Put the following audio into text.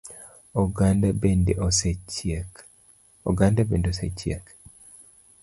Oganda bende osechiek?